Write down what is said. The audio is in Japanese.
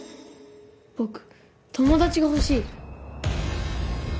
僕友達が欲しい。